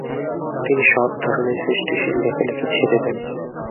তিনি সব ধরনের সৃষ্টিশীল লেখালেখি ছেড়ে দেন।